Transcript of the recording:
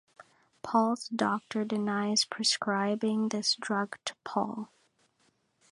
Paul's doctor denies prescribing this drug to Paul.